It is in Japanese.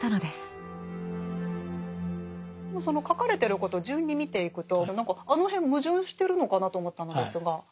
でもその書かれてることを順に見ていくと何かあの辺矛盾してるのかなと思ったのですが。